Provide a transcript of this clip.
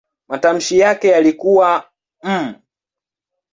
Matamshi yake yalikuwa "m".